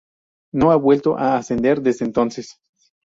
No ha vuelto a ascender desde entonces.